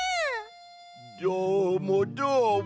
どーもどーも。